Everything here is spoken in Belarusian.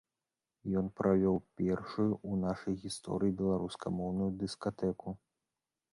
Ён правёў першую ў нашай гісторыі беларускамоўную дыскатэку.